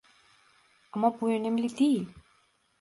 Ama bu önemli değil.